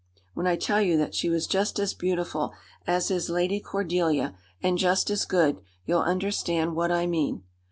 When I tell you that she was just as beautiful as is Lady Cordelia, and just as good, you'll understand what I mean.